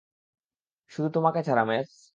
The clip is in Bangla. শুধু তোমাকে ছাড়া, মেস।